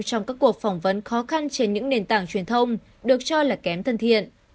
trong các cuộc phỏng vấn khó khăn trên những nền tảng truyền thông được cho là kém thân thiện